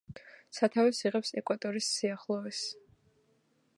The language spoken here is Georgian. სათავეს იღებს ეკვატორის სიახლოვეს.